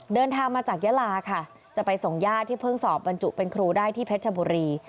เดินทางมาจากยาลาค่ะจะไปส่งญาติที่เพิ่งสอบบรรจุเป็นครูได้ที่เพชรบุรี